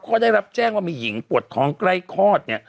ก็ได้รับแจ้งว่ามีหญิงปวดท้องใกล้คลอดเนี่ย